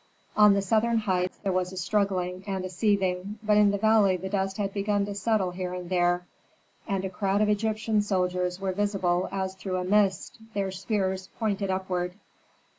On the southern heights there was a struggling and a seething, but in the valley the dust had begun to settle here and there, and a crowd of Egyptian soldiers were visible as through a mist, their spears pointed upward.